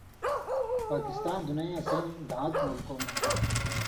پاکستان دُنئیاں سَیں دھان٘ک مُلکؤں مہ تُھو